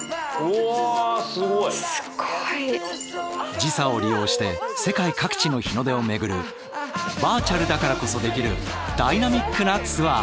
時差を利用して世界各地の日の出を巡るバーチャルだからこそできるダイナミックなツアー！